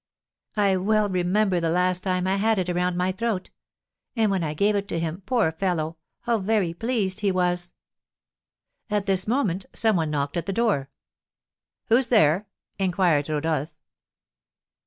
I well remember the last time I had it around my throat; and when I gave it to him, poor fellow, how very pleased he was!" At this moment some one knocked at the door. "Who's there?" inquired Rodolph.